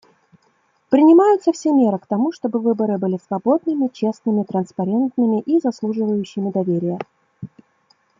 Принимаются все меры к тому, чтобы выборы были свободными, честными, транспарентными и заслуживающими доверия.